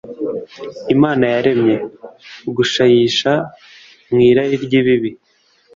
Imana yaremye. Ugushayisha mu irari ry’ibibi